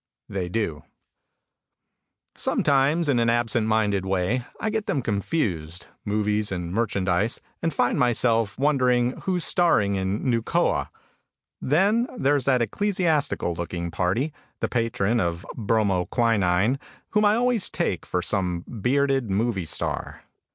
They do. Sometimes, in an absent minded way, I get them confused, movies and merchandise, and find myself wondering who's starring in "Nucoa." Then there's that ecclesiastical looking party, the patron of Bromo Quinine, whom I always take for some bearded movie star.